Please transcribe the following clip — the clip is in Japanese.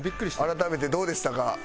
改めてどうでしたか？